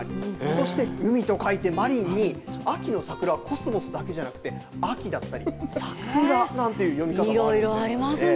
そして海と書いてまりんに秋の桜、こすもすだけじゃなくてあきだったり、さくらなんて読み方もあるんです。